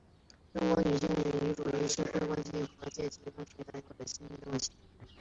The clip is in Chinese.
在中国女性主义与社会主义和阶级问题有着密切的关系。